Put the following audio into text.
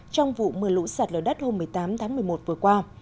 trong vụ mưa lũ sạt lở đất hôm một mươi tám tháng một mươi một vừa qua